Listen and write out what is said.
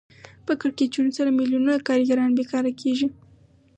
په کړکېچونو سره میلیونونو کارګران بېکاره کېږي